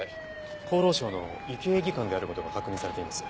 厚労省の医系技官である事が確認されています。